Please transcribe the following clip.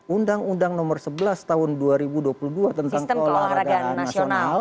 undang undang nomor sebelas tahun dua ribu dua puluh dua tentang keolahragaan nasional